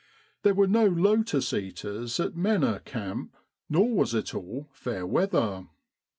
There were no lotus eaters at Mena Camp, nor was it all fair weather.